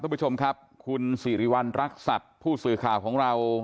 คุณผู้ชมครับคุณสิริวัณรักษัตริย์ผู้สื่อข่าวของเรา